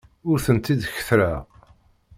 Ur tent-id-kettreɣ.